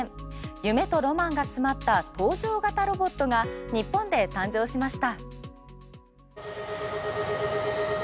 夢とロマンが詰まった搭乗型ロボットが日本で誕生しました。